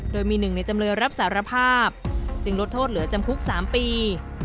โดยมีหนึ่งในจำเลยรับสารภาพจึงลดโทษเหลือจำคุก๓ปี